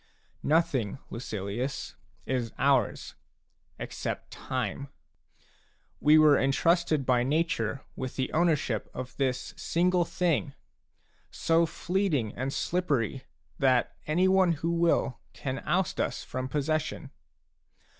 Nothing, Lucilius, is ours, except time. We were entrusted by nature with the owner ship of this single thing, so fleeting and slippery that anyone who will can oust us from possession.